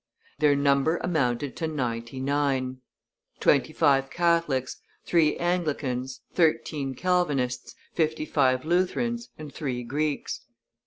Their number amounted to ninety nine; twenty five Catholics, three Anglicans, thirteen Calvinists, fifty five Lutherans, and three Greeks.